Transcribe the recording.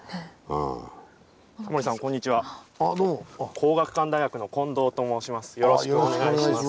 皇學館大学の近藤と申します。